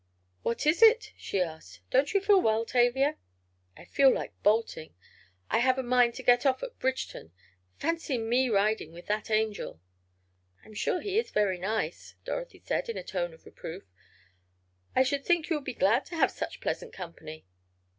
"What is it?" she asked. "Don't you feel well, Tavia?" "I feel like bolting. I have a mind to get off at Bridgeton. Fancy me riding with that angel!" "I'm sure he is very nice," Dorothy said, in a tone of reproof. "I should think you would be glad to have such pleasant company."